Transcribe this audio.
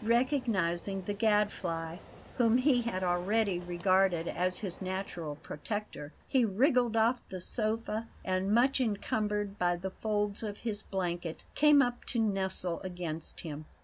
Recognizing the Gadfly, whom he already regarded as his natural protector, he wriggled off the sofa, and, much encumbered by the folds of his blanket, came up to nestle against him.